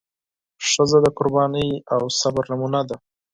ښځه د قربانۍ او صبر نمونه ده.